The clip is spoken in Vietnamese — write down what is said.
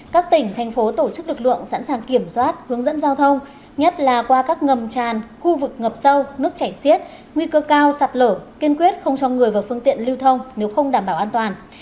các tỉnh thành phố tổ chức lực lượng sẵn sàng kiểm soát hướng dẫn giao thông nhất là qua các ngầm tràn khu vực ngập sâu nước chảy xiết nguy cơ cao sạt lở kiên quyết không cho người và phương tiện lưu thông nếu không đảm bảo an toàn